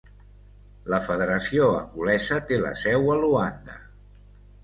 La Federació Angolesa té la seu a Luanda.